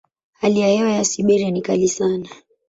Hali ya hewa ya Siberia ni kali sana.